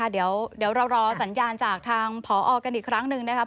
เดี๋ยวเรารอสัญญาณจากทางพอกันอีกครั้งหนึ่งนะครับ